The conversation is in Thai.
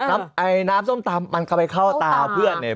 ไอ้น้ำส้มตำมันก็ไปเข้าตาเพื่อนเนี่ย